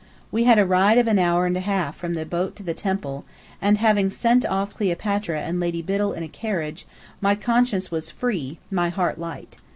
We had a ride of an hour and a half from the boat to the temple; and having sent off Cleopatra and Lady Biddell in a carriage, my conscience was free, my heart light.